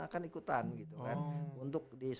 akan ikutan untuk reese